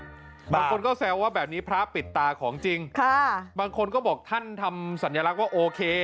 บางคนก็แซวว่าแบบนี้พระปิดตาของจริงค่ะบางคนก็บอกท่านทำสัญลักษณ์ว่าโอเค